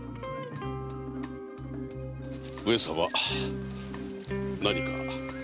上様何か？